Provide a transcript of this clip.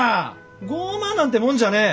傲慢なんてもんじゃねえ！